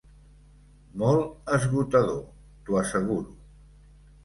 Molt esgotador, t'ho asseguro.